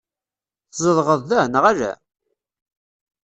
Tzedɣeḍ da, neɣ ala?